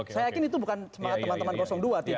saya yakin itu bukan semangat teman teman dua